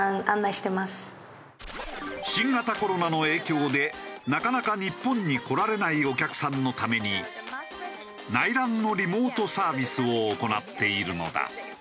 新型コロナの影響でなかなか日本に来られないお客さんのために内覧のリモートサービスを行っているのだ。